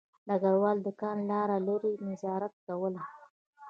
ډګروال د کان لاره له لیرې نظارت کوله